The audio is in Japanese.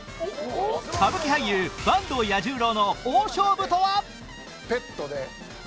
歌舞伎俳優坂東彌十郎の大勝負とは？